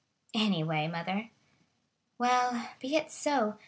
"Any way, mother." "Well, be it so.